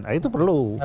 nah itu perlu